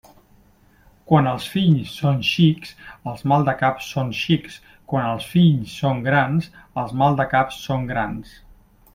Quan els fills són xics, els maldecaps són xics; quan els fills són grans, els maldecaps són grans.